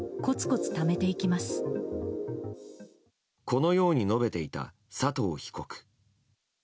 このように述べていた佐藤被告。